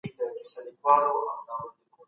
که انلاین فعالیتونه ګډ وي، زده کوونکي منزوي نه کېږي.